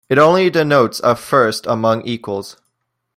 It only denotes a first among equals.